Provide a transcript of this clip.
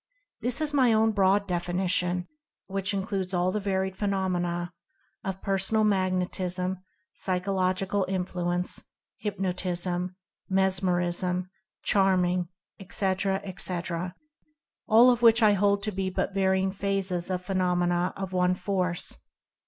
This is my own broad defini tion which includes all the varied phenomena of Personal Magnetism, Psychological Influence, Hyp notism, Mesmerism, Charming, etc., etc., all of which I hold to be but varying phases of phenomena of one Force.